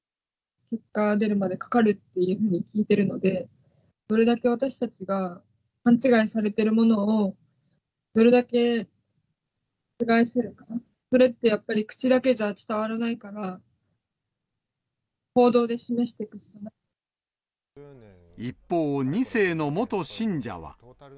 結果が出るまでかかるって聞いてるので、どれだけ私たちが勘違いされてるものを、どれだけ覆せるか、それってやっぱり口だけじゃ伝わらないから、一方、２世の元信者は。